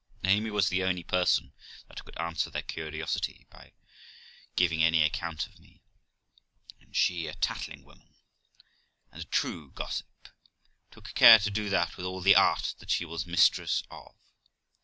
Amy was the only person that could answer their curiosity, or give any account of me; and she, a tattling woman and a true gossip, took care to do that with all the art that she was mistress of.